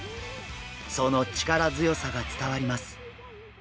その力強さが伝わります。